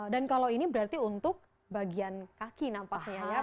dan kalau ini berarti untuk bagian kaki nampaknya ya